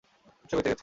সে বেঁচে গেছে।